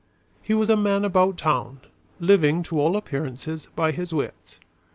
He was a man about town, living, to all appearance, by his wits.